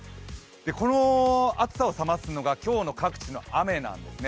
この暑さを冷ますのが今日の各地の雨なんですね。